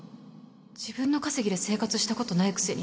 自分の稼ぎで生活したことないくせに